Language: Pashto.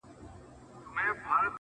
چي د ځوانیو هدیرې وژاړم؛